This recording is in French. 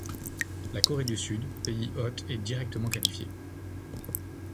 La Corée du Sud, pays hôte est directement qualifiée.